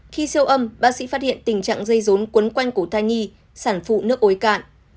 khi siêu âm bác sĩ phát hiện tình trạng dây rốn quấn quanh cổ thai nhi sản phụ nước ối cạn